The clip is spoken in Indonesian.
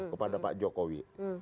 kepada pak jokowi